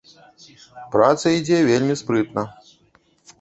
Праца ідзе вельмі спрытна.